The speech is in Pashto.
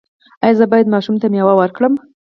ایا زه باید ماشوم ته میوه ورکړم؟